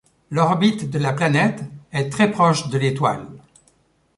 L'orbite de la planète est très proche de l'étoile.